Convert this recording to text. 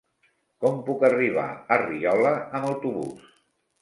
Com puc arribar a Riola amb autobús?